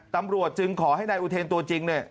ตำรวจจึงขอให้นายอุเทนตัวจริงเนี่ย